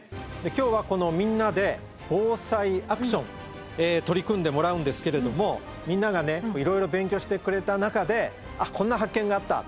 今日はこのみんなで「ＢＯＳＡＩアクション」取り組んでもらうんですけれどもみんながねいろいろ勉強してくれた中で「あっこんな発見があった」